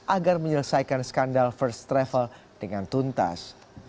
agar menyelesaikan skandal first travel dengan tuntas